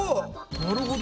なるほど。